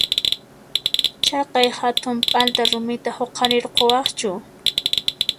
Chaqay hatun p'alta rumita huqarirquwaqchu?